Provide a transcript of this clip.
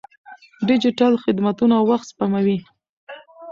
ډیجیټل خدمتونه وخت سپموي.